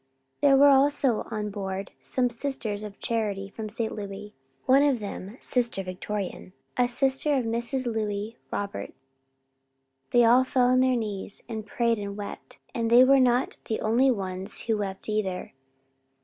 There were also on board some Sisters of Charity from St. Louis, one of them Sister Victorine, a sister of Mrs. Louis Robert. They all fell on their knees and prayed and wept and they were not the only ones who wept either.